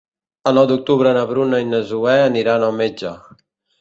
El nou d'octubre na Bruna i na Zoè aniran al metge.